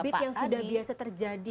bibit yang sudah biasa terjadi